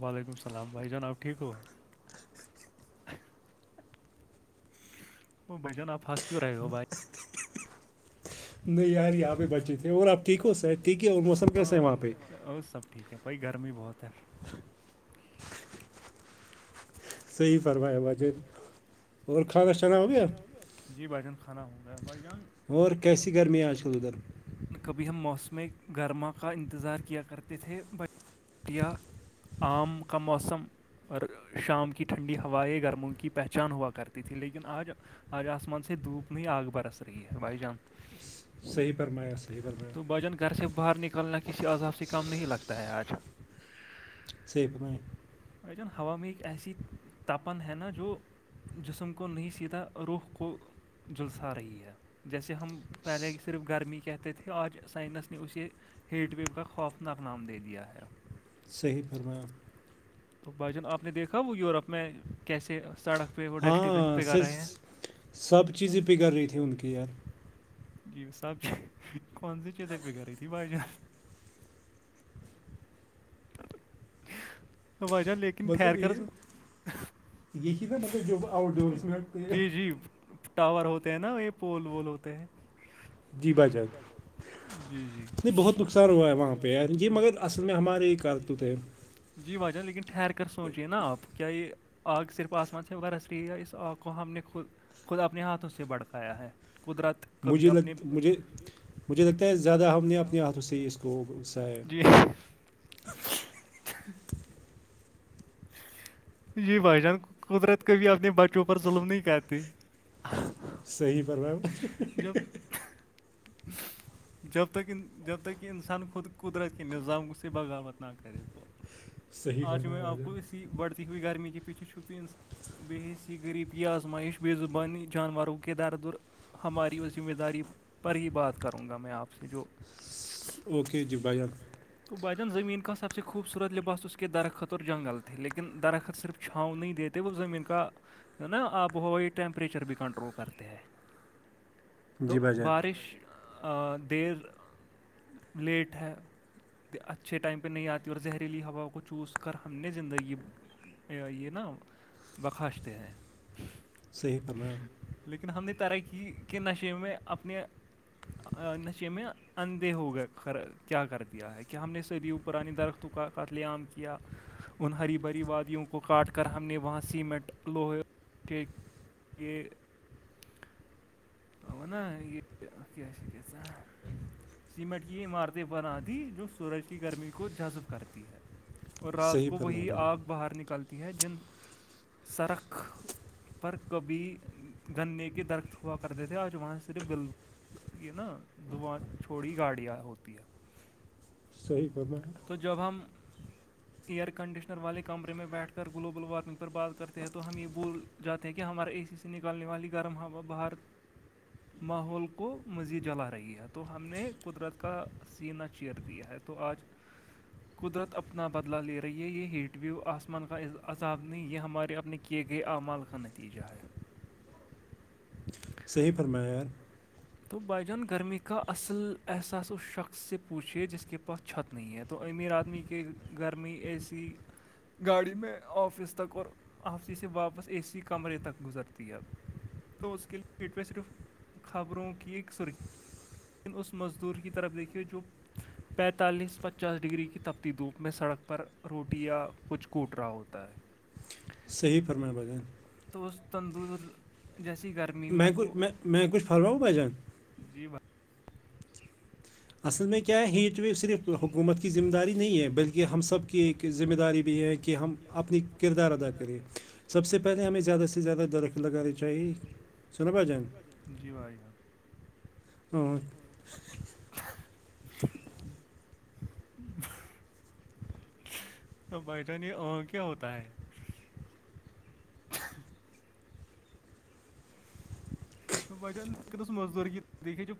وعلیکم السلام بھائی جان اپ ٹھیک ہو وہ بھائی جان آپ حس کیوں رہے ہو بھائی نہیں یار یہاں پہ بچے تھے اور آپ ٹھیک ہو سید ٹھیک ہے اور موسم کیسے ہے وہاں پہ اور سب ٹھیک ہے بھائی گرمی بہت ہے صحیح فرمایا بھائی جان کھانا شانا ہو گیا جی بھائی جان کھانا ہو گیا بھائی جان اور کیسی گرمی ہے آج کل ادھر کبھی ہم موسم گرما کا انتظار کیا کرتے تھے بٹیا عام کا موسم اور شام کی ٹھنڈی ہوائیں گرموں کی پہچان ہوا کرتی تھی لیکن آج آج آسمان سے دھوپ نہیں آگ برس رہی ہے بھائی جان صحیح فرمایا صحیح فرمایا گھر سے باہر نکلنا کسی عذاب سے کم نہیں لگتا ہے آج صحیح فرمایا بھائی جان ہوا میں ایک ایسی تپن ہے نا جو جسم کو نہیں سیدھا روح کو جلسا رہی ہے جیسے ہم پہلے صرف گرمی کہتے تھے آج سائنس نے اسے ہیٹ ویو کا خوفناک نام دے دیا ہے صحیح فرما تو بھائی جان آپ نے دیکھا وہ یورپ میں کیسے سڑک پہ وہ ڈسٹ بن پہ کر رہے ہیں سب چیز پ کر رہیھی جی سب کون سی چیزیں پہ کر رہی تھی بھائی جان [inaudible] وجہ لیکن ٹھہر کر س یہھی نا مطلب جب آؤٹ ڈور اسٹ ٹاور ہوتے ہیں نا یہ پول وول ہوتے ہیں جی جی یہ بہت نقصان ہوا ہے وہاں پہ یہ اصل میں ہمارے جی واجن لیکن ٹھہر کر سوچیے نا آپ کیا یہ آگ صرف آمان سے وغیر سری اس آگ کو ہم ن نے کول خود اپنے ہاتھوں سے بھڑکایا ہے قدرت کبھی اپنے مجھے لگتا ہے زیادہ ہو اپنے ہھوں سےکول جی جی بھائی جان قدرت کبھی اپنے بچوں پر ظلم نہیں کرتی صحی فرمایا جب تک ان جب تک کہ انسان خود قدرت کے نظام بغاوت نہ کرے تو آج میں آپ کو اسی بڑھتی ہوئی گرمی کے پیچھے چھپی انسان ب حسی غریبی آزمائش بی زبانی جانوروں کےے دردر ہماری اس ذمہ داری پر ہی بات کروں گا میں آپ سے جو اوکے جی بھائی جان تو ب جن زمین کا سب سے خوبصورت لباس اس کے درختط اور جنگل تھ لیکن درخت صرف چھاؤں نہیں دیتے وہ زمین کا جو نا آپ ہوی ٹیمپریچر بھی کنٹرول کرتے ہے [inaudible] تو بارش دیر لیٹ ہے اچھے ٹائم پہ نہیں آتی اور زہریلی ہوا کو چوز کر ہم نے زندگی یہ نا بخاشت ہے صحیح فرمایا اپ نے لیکن ہم نے ترقی کے نشے میں اپنے نشے میں اندھے ہو گئے کیا کر دیا ہے کہ ہم نے صدیوں پرانانی درختوں کا قتلے عام کیا [inaudible] ان ہری بھری وادیوں کو کاٹ کر ہم نے وہاں سیمنٹ لوہے کے یہ آ نا یہ کیا س کیا س ہیں سیمٹ کی عمارتیں ب آدھی جو سورج کی گرمی کو جذب کرتی ہے اور رات کو وہی آگ باہر نکلتی ہے جن سرخ پر کبھی گنے کے درخت ہوا کرتے تھے آج وہاں سے صرف بالل یہ نا د چھوڑی گاڑیاں ہوتی ہے صحی فرمایا تو جب ہم [inaudible] ایئر کنڈیشنر والے کمرے میں بیٹھ کر گلوبل وارمنگ پر بات کرتے ہیں تو ہم یہ بول جاتے ہیں کہ ہمارا اے سی سے نکالنے والی گرم ہوا باہر [inaudible] ماحول کو مزید جلا رہی ہے تو ہم نے قدرت کا سینا چیر دیا ہے تو آج قدرت اپنا بدلا لے رہی ہے یہ ہیٹ ویو آسمان کا عذاب نہیں یہ ہمارے اپنے کہ گے آ مال کا نتیجہ ہے صحیح فرمایا تو بھائی جان گرمی کا اصل احساس اس شخص سے پوچھیے جس کے پاس چھت نہیں ہے تو امیر آدمی کے گرمی اے سی گاڑی میں آفس تک اور آپسی سے واپس اے سی کمرے تک گزرتی ہے تو اس کے لیے فٹ میں صرف خبروں کی ایک سرخی لن اس مزدور کی طرف دیکھیے جو پینتالیس پچاس ڈگری کی تپتی دھوپ میں سڑک پر روٹی یا کچھ کوٹ رہا ہوتا ہے [inaudible] تو اس تندور جیسی گرمی میں وہ ساربؤ بج جن جی بھائی اصل میں کیا ہے ہییٹ ویو صرف حکومت کی ذمہ داری نہیں ہے بلکہ ہم سب کی ایک ذمہ داری بھی یہ ہے کہ ہم اپنی کردار ادا کرے سب سے پہلے ہمیں زیادہ سے زیادہ درخت لگانانی چاہیے سنو بھای جان جی ب ہاں بھائی جان [inaudible] تو بیٹا نہیں آنع کیا ہوتا ہے [inaudible] بھائی جان اس مزدور کی ہے جو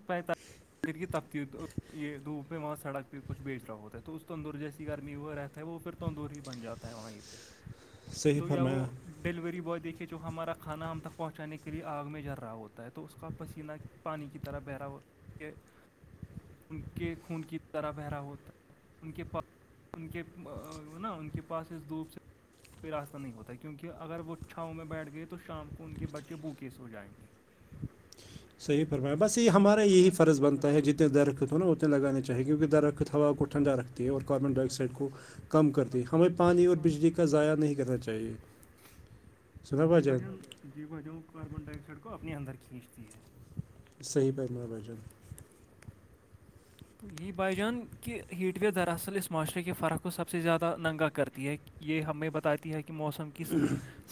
[unintelligible] یہ دھوپ پہ وہاں سڑک پہ کچھ بیچ رہا ہوتا ہے تو اس تندور جیسی گرمی ہو رہتا ہے وہ پھر تندور ہی بن جاتا تا ہے وہیں پہ [inaudible] تو یا وہ ڈلیوری بوائے دیکھے جو ہمارا کھانا ہم تک پہنچانے کے لیے آگ میں جر رہا ہو تو اس کا پسینہ پانی کی طرح بہرا ہوتا ہے ان کے خون کی طرح بہرا ہوتا ہے ان کے پاس ان کے نا ان کے پاس اس دھوپ سے راستہ نہیں ہوتا ہے کیونکہ اگر وہ چھاؤں میں بیٹھ گئے تو شام کو ان کے بچے بوکس ہو جائیں گے صحیح پرمایا ہے بس یہ ہمار یہی فرض بنتا ہے جتنے درخت ہو نا اتنے لگانے چاہیے کیونکہ درخت ہوا کو ٹھڈا رکھتی ہے اور کاربن ڈائی آکسائڈ کو کم کرتے ہیں ہمیں پانی اور بجلی کے کا ضائع نہیں کرنا چاہیے سنا بھ جان جیواجہوں کاربن ڈائی آکسائڈ کو اپنے اندر کھینچتی ہے صحیح پما بچن تو یہی بائی جان کہ ہیٹ وے دراصل اس معاشرے کے فرق کو سب سے زیادہ ننگا کرتی ہے یہ ہمیں بتاتی ہے کہ موسم کی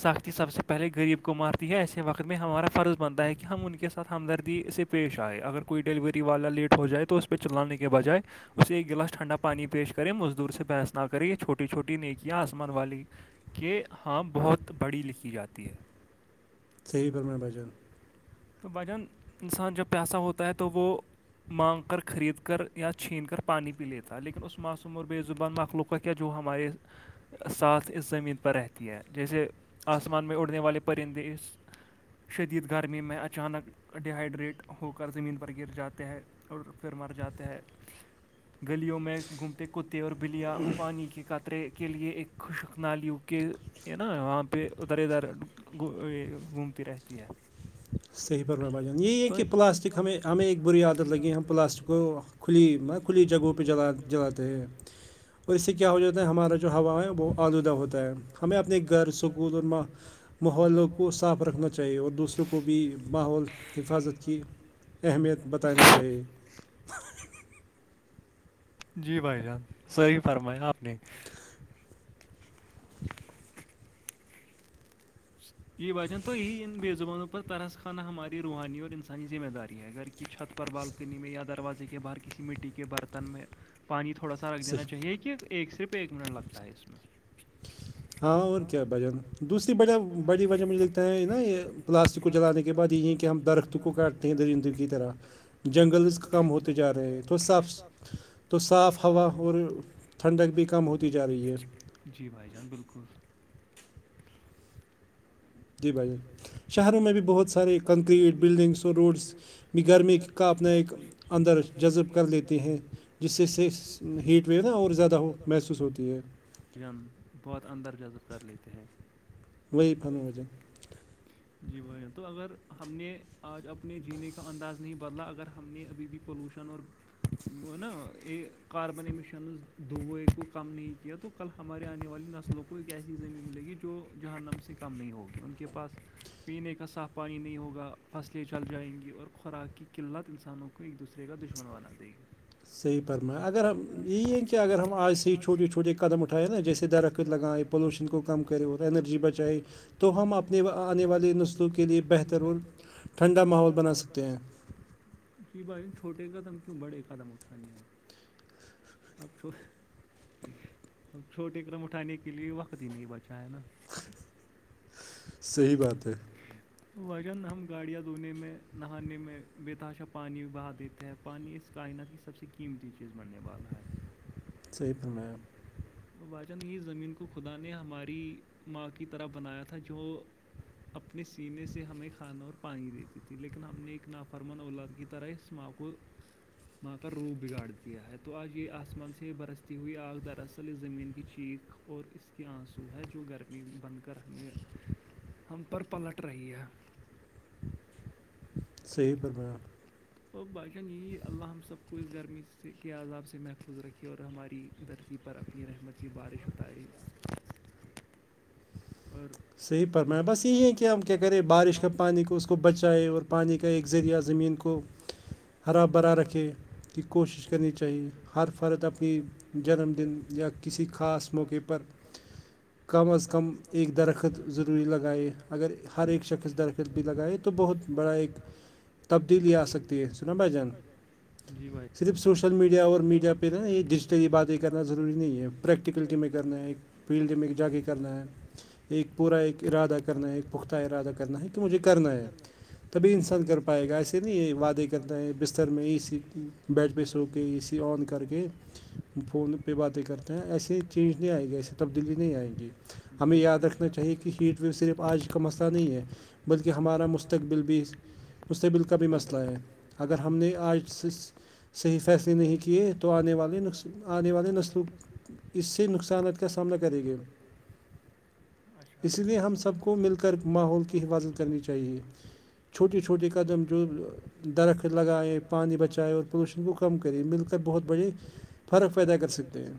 ساختی سب سے پہلے غریب کو مارتی ہے ایسے وقت میں ہمارا فرض بنتا ہے کہ ہم ان کے ساتھ ہمدردی سے پیش آئے اگر کوئی ڈیلیوری والا لیٹ ہو جائے تو اس پہ چلانے کے بجائے اسے ایک گلاس ٹھنڈا پانی پیش کرے مزدور سے بحث نہ کرے یہ چھوٹی چھوٹی نیکیاں آسمان والی کہ ہاں بہت بڑی لکھی جاتی ہے صحیح پر میںان بجن تو بھجان انسان جب پیسہ ہوتا ہے تو وہ مانگ کر خرید کر یا چھین کر پانی پی لیتا لیکن اس معاصم اور بے زبان مخلق کیا جو ہمارے ساتھ اس زمین پر رہتی ہے جیسے آسمان میں اڑنے والے پرندے اس شدید گرمی میں ا اچانک ڈیہائیڈریٹ ہو کر زمین پر گر جاتے ہیں اور پھر مر جاتے ہیں [inaudible] گلیوں میں گھومتے کتے اور بلیاں پانی کے قطرے کے لیے ایک خشک نالیو کے یہ نا وہاں پہ ادھر ادھر گھومتی رہتی ہے صحیح پر میں بجان یہ ہے کہ پلاسٹک ہمیں ہمیں ایک بری عادت لگی ہے ہم پلاسٹک کو کھلی کھلی جگہوں پہ جات جلاتے ہیں اور اس سے کیا ہو جاتا ہے ہمارا جو ہوا ہے وہ آلودہ ہوتا ہے ہمیں اپنے گھر سکول اور ماں ماحول کو صاف رکھنا چاہیے اور دوسروں کو بھی ماحول حفاظت کی اہمیت بتانی چاہیے جی بھائی جان صحیح فرمایا آپ نے یہ بجان تو یہ ان بے زبانوں پر ترس کانا ہماری روحانی اور انسانی ذمہ داری ہے اگر کی چھت پر بالکنی میں یا دروازے کے باہر کسی مٹی کے برتن میں پانی تھوڑا سا رکھ دینا چاہیے کہ ایک صرف ایک منٹ لگتا ہے اس میں ہاں اور کیا بھائی جان دوسری وجہ بڑی وجہ مجھے لکھتا ہے نا یہ پلاسٹک کو جلانے کے بعد یہ ہے کہ ہم درختوں کو کاٹتے ہیں درندو کی طرح جنگلز کم ہوتے جا رہے ہیں تو صاف تو صاف ہوا اور ٹھنڈک بھی کم ہوتی جا رہی ہے جی بھائی جان بالکل جی بھائیان شہروں میں بھی بہت سارے کنکریٹ بلڈنگس اور روڈس بھی گرمی کا اپنا ایک اندر جذب کر لیتے ہیں جس سے سے ہیٹ ویو نا اور زیادہ ہو محسوس ہوتی ہے جن بہت اندر جذب کر لیتے ہے جی بھائی جان تو اگر ہم نے آج اپنے جینے کا انداز نہیں بدلا اگر ہم نے ابھی بھی پولوشن اور وہ نا ا کاربن امشنز دو گوو کم نہیں کہہ تو کل ہمارے آنے والی نسلوں کو ایک ایسی زمین ملے گی جو جہاں نام سے کم نہیں ہوگی ان کے پاس پینے کا صاف پانی نہیں ہوگا فصلیں چل جائیں گی اور خوراک کی قلت انسانوں کو ایک دوسرے کا دشمن وانا دے گی صحیح پرما اگر ہم یہی ہیں کہ اگر ہم آج سے ہی چھوٹے چھوٹے قدم اٹھا ہے نا جیسے درخت لگائے پولوشن کو کم کرے اور اینرجی بچائے تو ہم ہم اپنے آنے والے نسخوں کے لیے بہتر ٹھنڈا ماحول بنا سکتے ہیں جی بھائی چھوٹے قدم کیوں بڑے قدم اٹھانے ہیں آبھ چھوٹے کرم اٹھانے کے لیے وقت ہی نہیں بچا ہے نا صحی بات ہے تو وجن ہم گاڑیاں دھونے میں نہانے میں بےتحاشا پانی بہا دیتے ہیں پانی اس کائنات کی سب سے قیمتی چیز بننے والا ہے صی پر میںم ا باچان یہ زمین کو خدا نے ہماری ماں کی طرح بنایا تھا جو اپنے سینے سے ہمیں کھانا اور پانی دیتی تھی لیکن ہم نے ایک نافرمان اود کی طرحماف کو ماں کر رو بگاڑ دیا ہے تو آج یہ آسمان سے برستی ہوئی آگ درس اصل زمین کی چیکخ اور اس کے آنسو ہے جو گرمی بن کر ہمیں ہم پر پلٹ رہی ہے صحیح تو بھشان یہی اللہ ہم سب کو اس گرمی سے کے عذاب سے محفوظ رکھے اور ہماری درسیی پرف نیر احمد کی بارش و تاریخ [inaudible] صحی پرم بس یہی ہے کہ ہم کیا کریں بارش کا پانی کو اس اس کو بچائے اور پانی کا ایک ذریعہ زمین کو ہرا بھرا رکھے کہ کوشش کرنی چاہیے ہر فرد اپنی جنم دن یا کسی خاص موقع پر کم از کم ایک درخت درخت ضروری لگائے اگر ہر اس شخص درخت بھی لگائے تو بہت بڑا ایک بھائی ج جی بھائی صرف سوش مڈیا میڈیا اور میڈیا پہا یہ ڈیجیٹلی باتیں کرنا ضروری نہیں ہے پریکٹیکل کی میں کرنا ہے فیلڈ میں جاگ کرنا ہے ایک پورا ایک ارادہ کرنا ہے ایک پختہ ارادہ کرنا ہے کہ مجھے کرنا ہے تبھی انسان کر پائے گا ایسے نہیں یہ وعدے کرنا ہے بستر میں اس سی بیٹ پہ سو کے اسی آن کر کے فون پہ باتیں کرتے ہیں ایسے چینج نہیں آئیں گی ایسے تبدیلی نہیں آئےیں گی جی بھائی چاہیے کہ ہیٹ ویو صرف آج کا مسئلہ نہیں ہے بلکہ ہمارا مستقبل بھی مستقبل کا بھی مسئلہ ہے اگر ہم نے آج صحیح فیصلے نہیں کے کی تو آنے والے ن آنے والے نسلوں اس سے نقصانات کا سامنا کریں گے اچھا اچھا اس لیے ہم سب کو مل کر ماحول کی حفاظت کرنی چاہیے چھوٹے چھوٹے قدم جو درخت لگائے پانی بچائے اور پولوشن کو کم کرے مل کر بہت بڑے فرق پیدا کر سکتے ہیں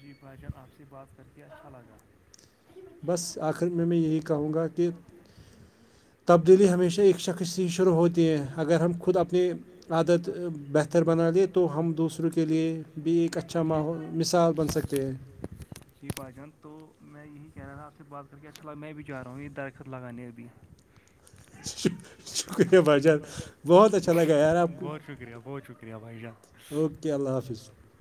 جی بھائی جان آپ سے بات کر کے اچھا لگا بس آخر میں میں یہی کہوں گا کہ تبدیلی ہمیشہ ایک شخص سے ہی شروع ہوتی ہے اگر ہم خود اپنی عادت بہتر بنا لے تو ہم دوسروں کے لیئے بھی ایک اچھا ماحول مثال بن سکتے ہیں جی بھائی جان تو میں یہی کہہ رہا تھا آپ سے بات کر کے اچھا لگا میں بھی جا رہا ہوں یہ درخت لگانے ابھی [unintelligible] ش شکریہ بھائیشان بہت اچھا لگا یار آپ کو بکر پائیا اوکے اللہ حافظ